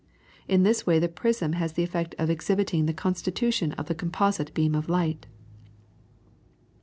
In this way the prism has the effect of exhibiting the constitution of the composite beam of light.